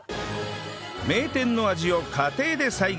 名店の味を家庭で再現